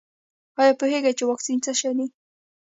ایا پوهیږئ چې واکسین څه دی؟